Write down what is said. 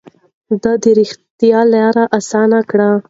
ده د رښتيا لاره اسانه کړه.